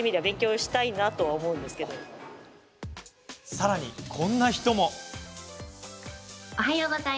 さらに、こんな人も。